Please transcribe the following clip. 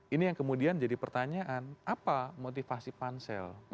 ini yang kemudian jadi pertanyaan apa motivasi pansel